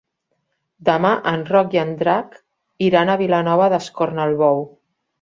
Demà en Roc i en Drac iran a Vilanova d'Escornalbou.